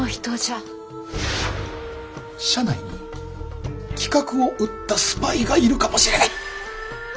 社内に企画を売ったスパイがいるかもしれない。